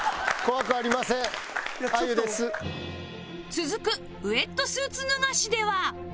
続くウェットスーツ脱がしでは